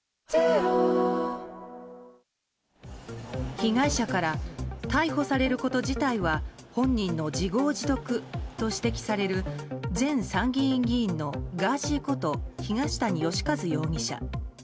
被害者から逮捕されること自体は本人の自業自得と指摘される前参議院議員のガーシーこと東谷義和容疑者。